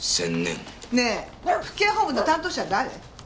ねえ府警本部の担当者は誰？